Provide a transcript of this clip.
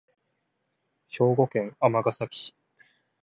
兵庫県尼崎市